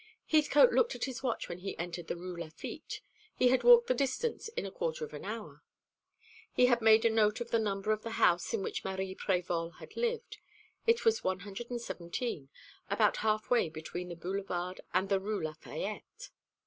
Heathcote looked at his watch when he entered the Rue Lafitte. He had walked the distance in a quarter of an hour. He had made a note of the number of the house in which Marie Prévol had lived. It was 117, about half way between the Boulevard and the Rue Lafayette.